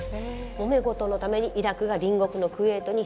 もめ事のためにイラクが隣国のクウェートに攻め入った。